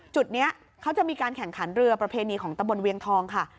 จุดนี้เขาจะมีการแข่งขันเรือประเพณีของตะบนเวียงทองค่ะ